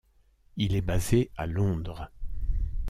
Il est basé à Londres.